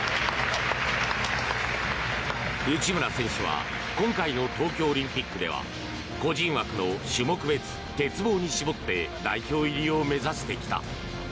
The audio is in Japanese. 内村選手は今回の東京オリンピックでは個人枠の種目別鉄棒に絞って代表入りを目指してきた。